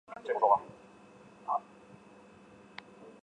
监生出身。